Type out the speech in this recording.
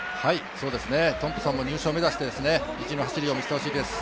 トンプソンも入賞目指して、意地の走りを見せてほしいと思います。